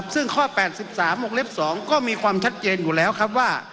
ซึ่งข้อ๘๓มล๒ก็มีความชัดเจนอยู่แล้ว